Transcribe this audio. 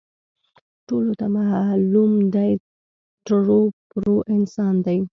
ټولو ته معلوم دی، ټرو پرو انسان دی.